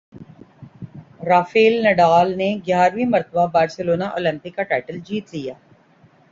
Rafael Nadal نے گیارہویں مرتبہ بارسلونا اوپن کا ٹائٹل جیت لیا